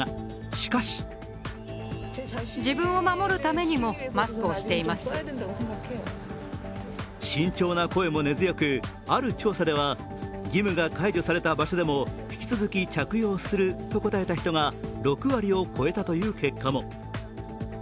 しかし慎重な声も根強く、ある調査では義務が解除された場所でも引き続き着用すると答えた人が６割を超えたという結果も。